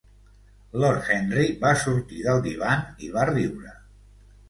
Lord Henry va sortir del divan i va riure.